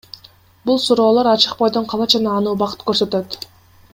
Бул суроолор ачык бойдон калат жана аны убакыт көрсөтөт.